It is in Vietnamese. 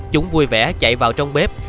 chúng vui vẻ chạy vào trong bếp